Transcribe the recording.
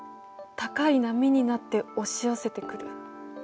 高い波になって押し寄せてくる。